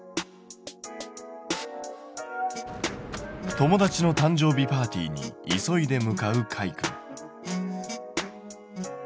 友達の誕生日パーティーに急いで向かうかいくん。